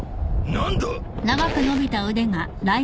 何だ！？